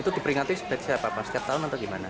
itu diperingati setiap tahun atau gimana